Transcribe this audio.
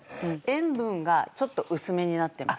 塩分がちょっと薄めになってます。